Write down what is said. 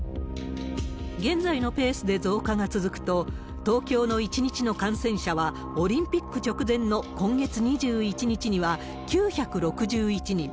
現在のペースで増加が続くと、東京の１日の感染者は、オリンピック直前の今月２１日には９６１人。